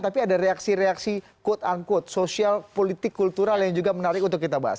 tapi ada reaksi reaksi quote unquote sosial politik kultural yang juga menarik untuk kita bahas